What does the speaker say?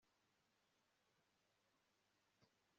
ahantu heza aho izuba rigaragarira